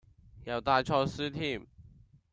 又帶錯書添